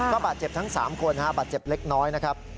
บาดเจ็บทั้ง๓คนบาดเจ็บเล็กน้อยนะครับ